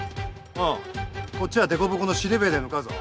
ああこっちはデコボコのシルビアで向かうぞ。